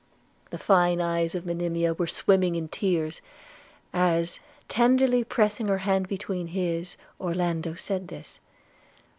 The fine eyes of Monimia were swimming in tears, as, tenderly pressing her hand between his, Orlando said this.